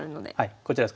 こちらですかね。